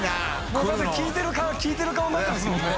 もうだんだん効いてる顔になってますもんね。